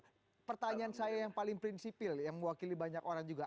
tapi pertanyaan saya yang paling prinsipil yang mewakili banyak orang juga